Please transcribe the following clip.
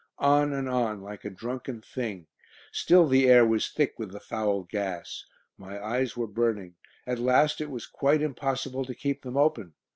On and on, like a drunken thing. Still the air was thick with the foul gas. My eyes were burning; at last it was quite impossible to keep them open.